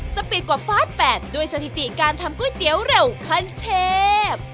ปีกว่าฟาด๘ด้วยสถิติการทำก๋วยเตี๋ยวเร็วขั้นเทพ